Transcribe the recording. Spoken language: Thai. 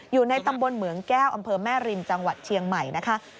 อยู่ในตำบลเหมืองแก้วอำเภอแม่ริมจังหวัดเชียงใหม่นะคะ